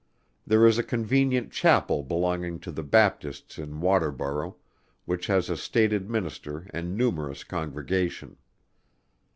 There is a convenient Chapel belonging to the Baptists in Waterborough, which has a stated minister and numerous congregation.